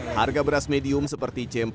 harga beras medium seperti c empat